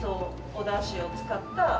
おだしを使ったかき氷。